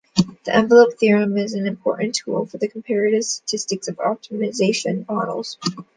The envelope theorem is an important tool for comparative statics of optimization models.